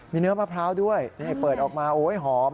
มีเนื้อมะพร้าวด้วยเปิดออกมาโอ๊ยหอม